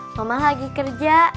mama lagi kerja